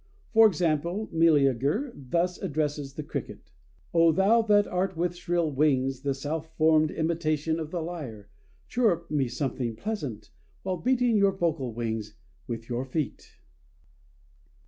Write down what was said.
For example, Meleager thus addresses the cricket: "_O thou that art with shrill wings the self formed imitation of the lyre, chirrup me something pleasant while beating your vocal wings with your feet!